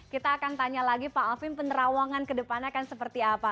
kita akan tanya lagi pak alvin penerawangan kedepannya akan seperti apa